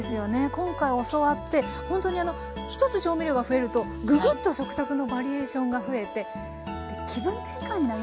今回教わってほんとに１つ調味料が増えるとぐぐっと食卓のバリエーションが増えて気分転換になりますね。